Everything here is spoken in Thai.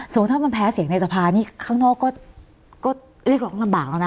สมมุติถ้ามันแพ้เสียงในสภานีข้างนอกเรียกล่อมันลำบากแล้วนะ